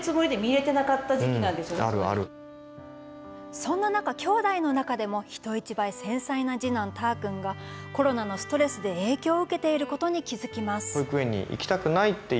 そんな中、きょうだいの中でも人一倍繊細な次男・たーくんがコロナのストレスで影響を受けていることに気付きます。